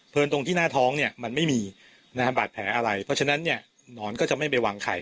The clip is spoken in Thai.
ตรงที่หน้าท้องเนี่ยมันไม่มีนะฮะบาดแผลอะไรเพราะฉะนั้นเนี่ยหนอนก็จะไม่ไปวางไข่